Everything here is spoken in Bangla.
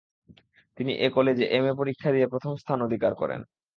তিনি এ কলেজে এমএ পরীক্ষা দিয়ে প্রথম স্থান অধিকার করেন।